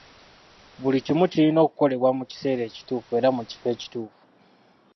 Buli kimu kirina okukolebwa mu kiseera ekituufu era mu kifo ekituufu.